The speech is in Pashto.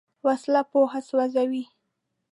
وسله پوهه سوځوي